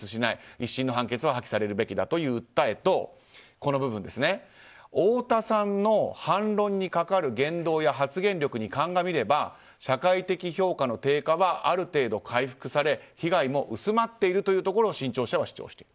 １審の判決は破棄されるべきだという訴えと太田さんの反論にかかる言動や発言力に鑑みれば社会的評価の低下はある程度、回復され被害も薄まっているというところを新潮社は主張している。